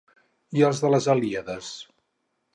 I els de les Helíades?